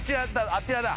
あちらだ